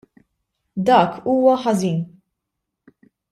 Dak huwa ħażin.